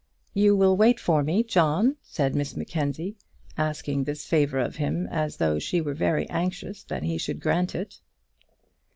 "You will wait for me, John," said Miss Mackenzie, asking this favour of him as though she were very anxious that he should grant it.